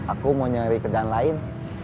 aku mau nyari kerjaan lain